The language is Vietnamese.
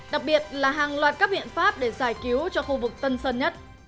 đặc biệt là hàng loạt các biện pháp để giải cứu cho khu vực tân sơn nhất